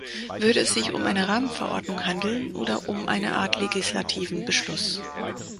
Würde es sich um eine Rahmenverordnung handeln oder um eine Art legislativen Beschluss?